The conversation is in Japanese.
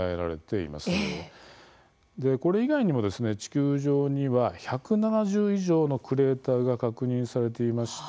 これ以外にも地球上には１７０以上のクレーターが確認されていまして。